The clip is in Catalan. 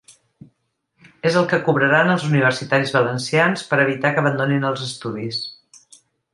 És el que cobraran els universitaris valencians per evitar que abandonin els estudis.